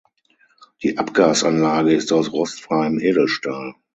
Die Abgasanlage ist aus rostfreiem Edelstahl.